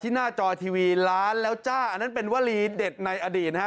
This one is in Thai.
หน้าจอทีวีล้านแล้วจ้าอันนั้นเป็นวลีเด็ดในอดีตนะฮะ